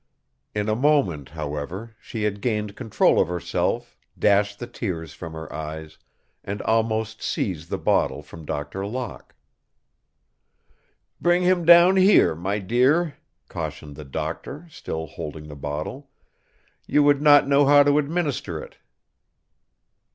In a moment, however, she had gained control of herself, dashed the tears from her eyes, and almost seized the bottle from Doctor Locke. "Bring him down here, my dear," cautioned the doctor, still holding the bottle. "You would not know how to administer it."